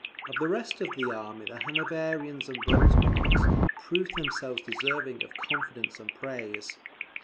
Of the rest of the army the Hanoverians and Brunswickers proved themselves deserving of confidence and praise.